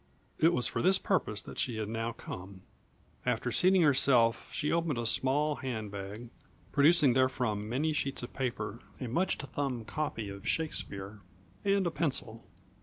It was for this purpose that she had now come. After seating herself she opened a small handbag, producing therefrom many sheets of paper, a much thumbed copy of Shakespeare, and a pencil.